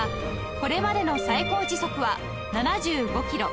これまでの最高時速は７５キロ